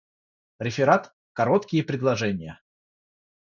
Реферат "Короткие предложения"